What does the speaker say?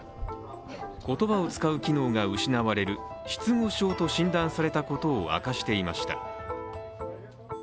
言葉を使う機能が失われる失語症と診断されたことを明かしていました。